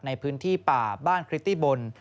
ในพื้นที่ป่าบ้านคริตตี้บน